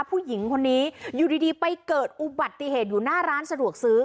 ผู้หญิงคนนี้อยู่ดีไปเกิดอุบัติเหตุอยู่หน้าร้านสะดวกซื้อ